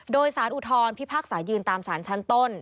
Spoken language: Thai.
โดยสารอุทธรพิพากษายืนตามสารชั้นต้น